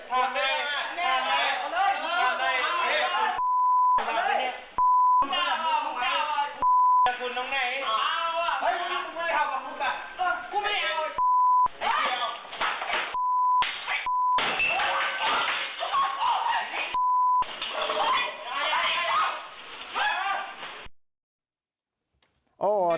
เข้ามาเลย